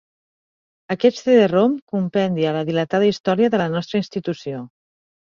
Aquest cd-rom compendia la dilatada història de la nostra institució.